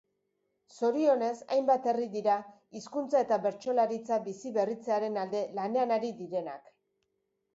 Zorionez, hainbat herri dira hizkuntza eta bertsolaritza biziberritzearen alde lanean ari direnak.